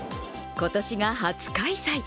今年が初開催。